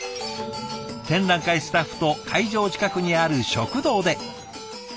展覧会スタッフと会場近くにある食堂で。